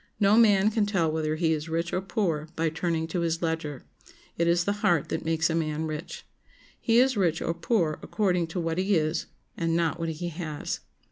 No man can tell whether he is rich or poor by turning to his ledger. It is the heart that makes a man rich. He is rich or poor according to what he is, and not what he has.